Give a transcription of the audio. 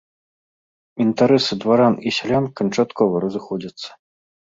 Інтарэсы дваран і сялян канчаткова разыходзяцца.